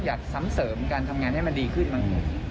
ซ้ำเสริมการทำงานให้มันดีขึ้นบ้าง